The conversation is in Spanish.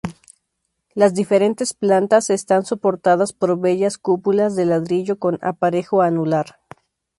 Las diferentes plantas están soportadas por bellas cúpulas de ladrillo con aparejo anular.